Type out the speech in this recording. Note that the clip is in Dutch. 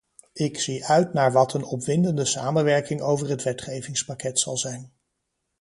Ik zie uit naar wat een opwindende samenwerking over het wetgevingspakket zal zijn.